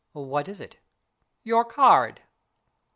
"What is it?" "Your card."